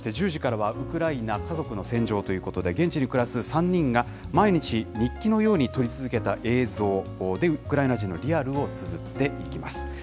そして１０時からはウクライナ家族の戦場ということで、現地に暮らす三人が毎日、日記のように撮り続けた映像で、ウクライナ人のリアルをつづっていきます。